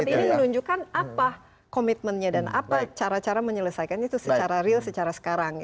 nah debat debat ini menunjukkan apa komitmennya dan apa cara cara menyelesaikan itu secara real secara sekarang ya